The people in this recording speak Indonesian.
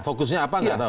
fokusnya apa nggak tahu